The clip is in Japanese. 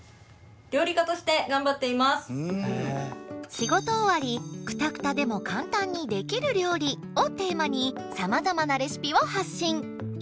「仕事終わりクタクタでも簡単にできる料理」をテーマにさまざまなレシピを発信！